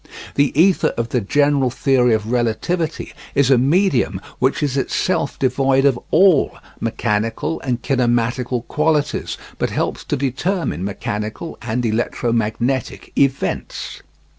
The ether of the general theory of relativity is a medium which is itself devoid of all mechanical and kinematical qualities, but helps to determine mechanical (and electromagnetic) events.